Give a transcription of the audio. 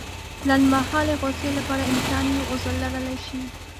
لنډمهالې غوسې لپاره انسان يو عذر لرلی شي.